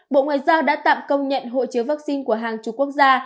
bộ ngoại giao đã tạm công nhận hộ chiếu vaccine của hàng chục quốc gia